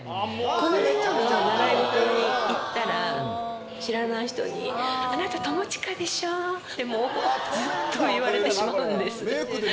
この間も習い事に行ったら知らない人に「あなた友近でしょ？」ってずっと言われてしまうんです。